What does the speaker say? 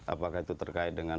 apakah itu terkait dengan